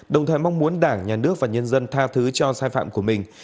đồng thời mong muốn đảng nhà nước và nhân dân tha thứ cho sai phạm của mình